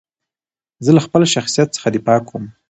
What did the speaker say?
زه له خپل شخصیت څخه دفاع کوم.